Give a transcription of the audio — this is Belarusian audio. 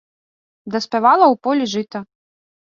Даспявала ў полі жыта.